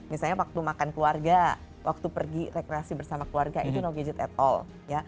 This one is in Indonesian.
misalnya waktu makan keluarga waktu pergi rekreasi bersama keluarga itu no gadget at all